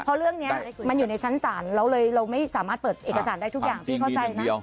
เพราะเรื่องนี้มันอยู่ในชั้นศาลเราเลยเราไม่สามารถเปิดเอกสารได้ทุกอย่างพี่เข้าใจนะ